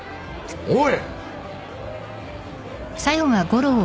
おい！